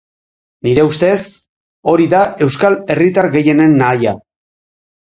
Nire ustez, hori da euskal herritar gehienen nahia.